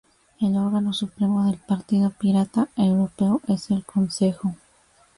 El órgano supremo del Partido Pirata Europeo es el Consejo.